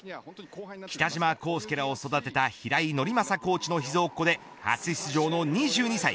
北島康介らを育てた平井伯昌コーチの秘蔵っ子で初出場の２２歳。